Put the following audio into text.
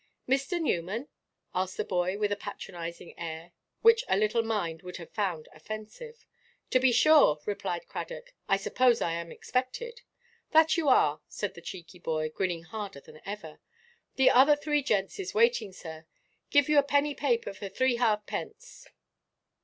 "Mr. Newman?" asked the boy, with a patronizing air, which a little mind would have found offensive. "To be sure," replied Cradock; "I suppose I am expected." "That you are," said the cheeky boy, grinning harder than ever; "the other three gents is waiting, sir. Get you a penny paper for three half–pence."